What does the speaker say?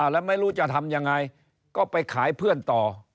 แล้วไม่รู้จะทำยังไงก็ไปขายเพื่อนต่อ